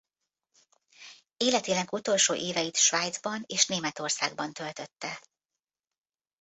Életének utolsó éveit Svájcban és Németországban töltötte.